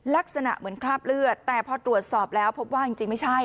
ลักษณะเหมือนคราบเลือดแต่พอตรวจสอบแล้วพบว่าจริงไม่ใช่